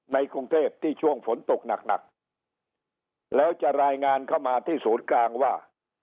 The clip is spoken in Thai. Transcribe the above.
ในกรุงเทพที่ช่วงฝนตกหนักหนักแล้วจะรายงานเข้ามาที่ศูนย์กลางว่า